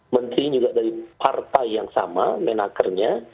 menteri juga dari partai yang sama menakernya